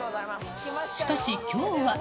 しかしきょうは。